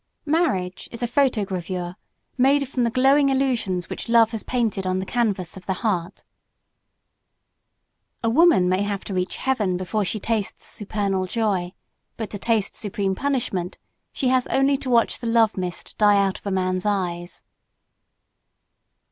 Marriage is a photogravure made from the glowing illusions which Love has painted on the canvas of the heart. A woman may have to reach heaven before she tastes supernal joy; but to taste supreme punishment she has only to watch the love mist die out of a man's eyes.